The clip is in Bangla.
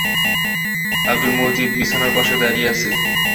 আব্দুল মজিদ বিছানার পাশে দাঁড়িয়ে আছে।